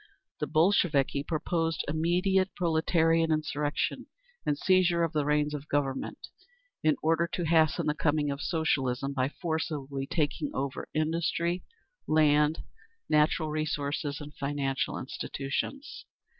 The Bolsheviki proposed immediate proletarian insurrection, and seizure of the reins of Government, in order to hasten the coming of Socialism by forcibly taking over industry, land, natural resources and financial institutions.